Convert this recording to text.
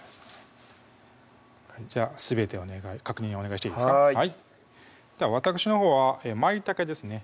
じゃあすべて確認お願いしていいですかわたくしのほうはまいたけですね